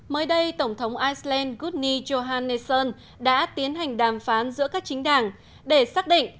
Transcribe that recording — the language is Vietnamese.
mới đây tổng thống iceland gudni johannesson đã tiến hành đàm phán giữa các chính đảng để xác định